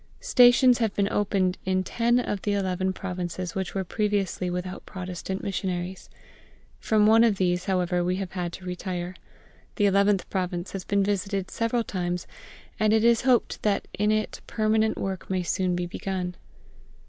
Stations have been opened in ten of the eleven provinces which were previously without Protestant missionaries; from one of these, however, we have had to retire. The eleventh province has been visited several times, and it is hoped that in it permanent work may soon be begun.